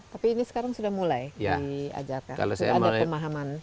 tapi ini sekarang sudah mulai diajarkan